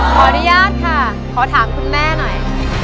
ขออนุญาตค่ะขอถามคุณแม่หน่อย